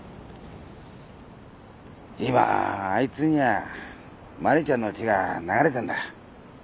今あいつには茉莉ちゃんの血が流れてんだ。